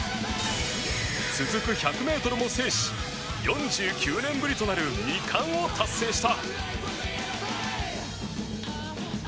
続く１００メートルも制し４９年ぶりとなる２冠を達成した。